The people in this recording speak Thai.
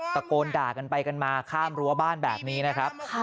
ตะโกนด่ากันไปกันมาข้ามรั้วบ้านแบบนี้นะครับ